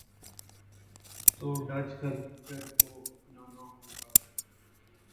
تو Dutch culture کو اپنا نا ہو گا۔